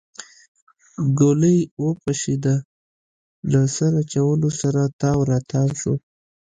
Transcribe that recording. ګلی وپشېده له سر اچولو سره تاو راتاو شو.